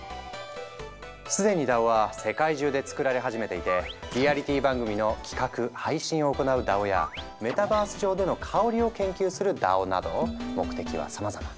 既にＤＡＯは世界中で作られ始めていてリアリティ番組の企画・配信を行うＤＡＯやメタバース上での香りを研究するＤＡＯなど目的はさまざま。